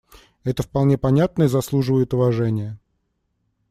Это вполне понятно и заслуживает уважения.